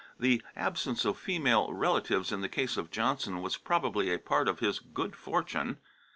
The absence of female relatives in the case of Johnson was probably a part of his good fortune.